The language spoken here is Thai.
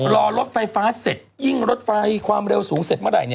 รอรถไฟฟ้าเสร็จยิ่งรถไฟความเร็วสูงเสร็จเมื่อไหร่